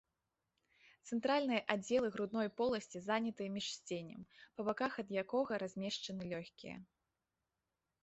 Цэнтральныя аддзелы грудной поласці занятыя міжсценнем, па баках ад якога размешчаны лёгкія.